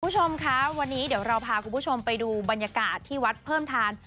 คุณผู้ชมคะวันนี้เดี๋ยวเราพาคุณผู้ชมไปดูบรรยากาศที่วัดเพิ่มทาน